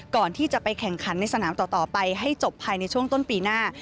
ก่อนที่จะไปแข่งขันในสนามต่อไปให้จบภายในช่วงต้นปีหน้า